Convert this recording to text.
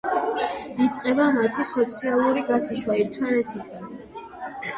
იწყება მათი სოციალური გათიშვა ერთმანეთისგან.